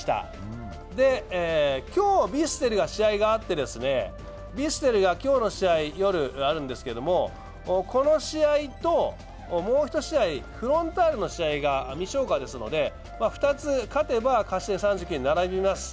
今日、ヴィッセルの試合が夜、あるんですけど、この試合ともう一試合、フロンターレの試合が未消化ですので、２つ勝てば勝ち点３９に並びます。